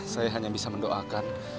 saya hanya bisa mendoakan